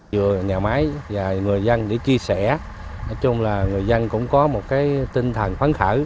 vừa nhà máy và người dân để chia sẻ nói chung là người dân cũng có một cái tinh thần phấn khởi